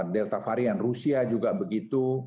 delta varian rusia juga begitu